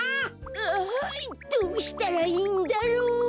ああどうしたらいいんだろう。